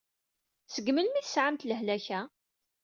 Seg melmi i tesɛamt lehlak-a?